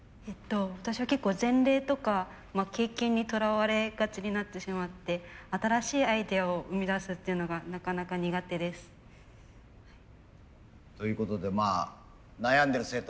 私は結構前例とか経験にとらわれがちになってしまって新しいアイデアを生み出すっていうのがなかなか苦手です。ということでまあ悩んでる生徒も多いみたいです先生。